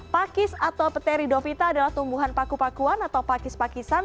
pakis atau peteri dovita adalah tumbuhan paku pakuan atau pakis pakisan